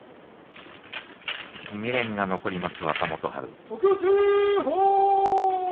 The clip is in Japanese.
未練が残ります、若元春。